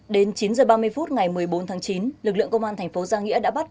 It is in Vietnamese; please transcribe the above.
đến chín h ba mươi phút ngày một mươi bốn tháng chín lực lượng công an thành phố giang nghĩa đã bắt